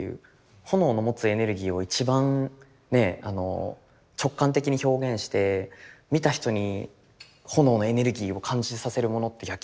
炎の持つエネルギーを一番直感的に表現して見た人に炎のエネルギーを感じさせるものって焼き物だよなみたいな。